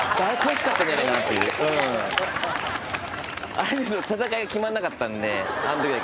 あれ戦いが決まんなかったんであんときだけ。